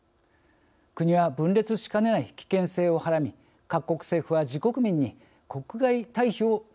国は分裂しかねない危険性をはらみ各国政府は自国民に国外退避を求めています。